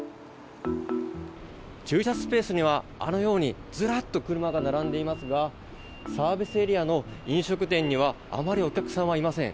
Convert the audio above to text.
駐車スペースにはあのようにずらっと車が並んでいますがサービスエリアの飲食店にはあまりお客さんがいません。